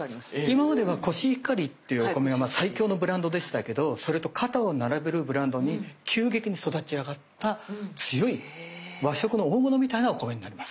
今まではコシヒカリっていうお米は最強のブランドでしたけどそれと肩を並べるブランドに急激に育ち上がった強い和食の大物みたいなお米になります。